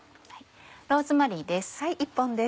ローズマリーです。